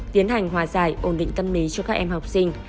tiến hành hòa giải ổn định tâm lý cho các em học sinh